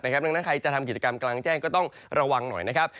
ดังนั้นใครจะทำกิจกรรมกลางแจ้งก็ต้องระวังหน่อยนะครับ